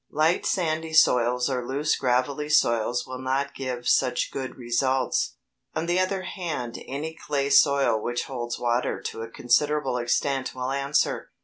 Light sandy soils or loose gravelly soils will not give such good results. On the other hand any clay soil which holds water to a considerable extent will answer.